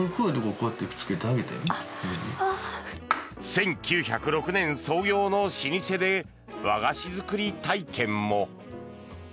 １９０６年創業の老舗で和菓子作り体験も。